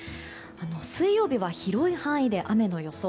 水曜日は広い範囲で雨の予想。